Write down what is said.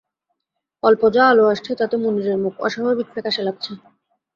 অল্প যা আলো আসছে, তাতে মুনিরের মুখ অস্বাভাবিক ফ্যাকাসে লাগছে।